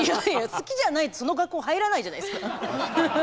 好きじゃないとその学校入らないじゃないですか。